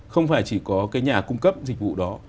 không phải chỉ có cái nhà cung cấp dịch vụ đó